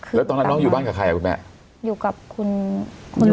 แล้วตอนนั้นน้องอยู่บ้านกับใครอ่ะคุณแม่อยู่กับคุณคุณ